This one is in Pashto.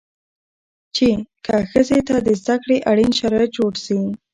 چې که ښځې ته د زده کړې اړين شرايط جوړ شي